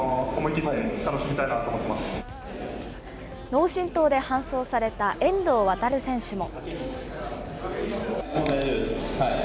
脳震とうで搬送された遠藤航選手も。